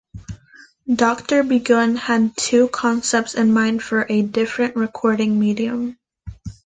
Doctor Begun had two concepts in mind for a different recording medium.